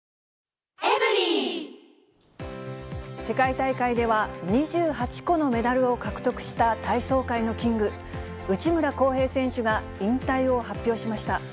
世界大会では２８個のメダルを獲得した体操界のキング、内村航平選手が引退を発表しました。